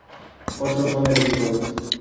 Otros son herbívoros.